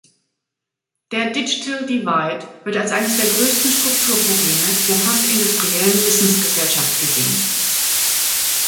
Der Digital Divide wird als eines der größten Strukturprobleme der postindustriellen Wissensgesellschaft gesehen.